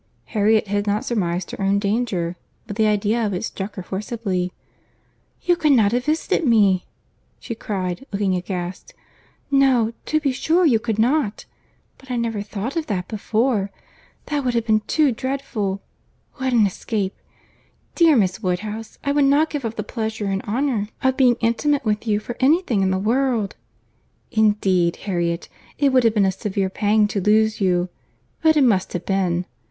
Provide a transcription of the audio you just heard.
Harriet had not surmised her own danger, but the idea of it struck her forcibly. "You could not have visited me!" she cried, looking aghast. "No, to be sure you could not; but I never thought of that before. That would have been too dreadful!—What an escape!—Dear Miss Woodhouse, I would not give up the pleasure and honour of being intimate with you for any thing in the world." "Indeed, Harriet, it would have been a severe pang to lose you; but it must have been.